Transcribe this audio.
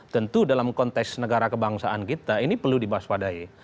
tentu dalam konteks negara kebangsaan kita ini perlu diwaspadai